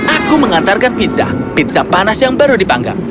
aku mengantarkan pizza pizza panas yang baru dipanggang